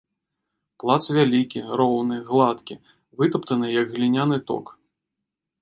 Пляц вялікі, роўны, гладкі, вытаптаны, як гліняны ток.